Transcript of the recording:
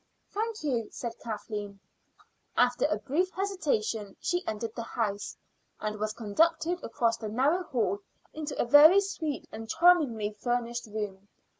"Thank you," said Kathleen. After a brief hesitation she entered the house, and was conducted across the narrow hall into a very sweet and charmingly furnished room.